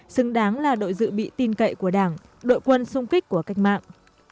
xứng đáng là đội dự bị tin cậy của đảng đội quân sung kích của cách mạng